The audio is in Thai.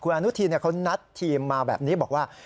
อนุทินเขานัดทีมมาแบบนี้บอกว่า